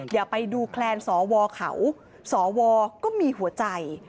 อย่าไปดูแคลนสวเขาสวก็มีหัวใจ